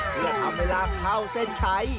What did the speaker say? เพื่อทำให้ลากเข้าเส้นชัย